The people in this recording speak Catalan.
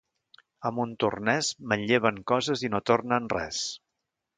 A Montornès manlleven coses i no tornen res.